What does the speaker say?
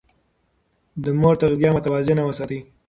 د مور تغذيه متوازنه وساتئ.